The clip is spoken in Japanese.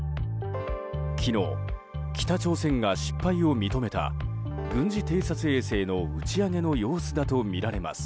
昨日、北朝鮮が失敗を認めた軍事偵察衛星の打ち上げの様子だと見られます。